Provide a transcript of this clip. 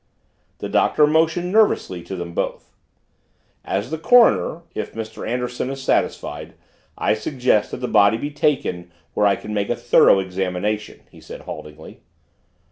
The Doctor motioned nervously to them both. "As the coroner if Mr. Anderson is satisfied I suggest that the body be taken where I can make a thorough examination," he said haltingly.